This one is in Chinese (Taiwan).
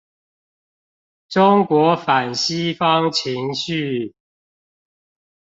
中國反西方情緒